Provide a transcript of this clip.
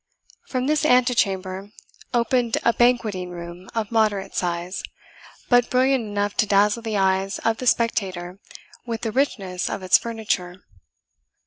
From this antechamber opened a banqueting room of moderate size, but brilliant enough to dazzle the eyes of the spectator with the richness of its furniture.